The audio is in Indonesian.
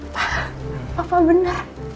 pak papa bener